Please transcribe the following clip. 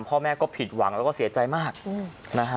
พ่อแม่ก็ผิดหวังแล้วก็เสียใจมากนะฮะ